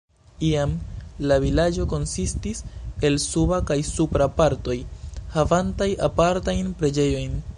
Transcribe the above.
Iam la vilaĝo konsistis el "Suba" kaj "Supra" partoj, havantaj apartajn preĝejojn.